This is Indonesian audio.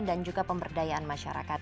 dan juga pemberdayaan masyarakat